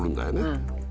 うん。